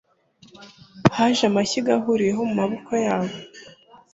Haje amashyiga ahuriweho mumaboko yabo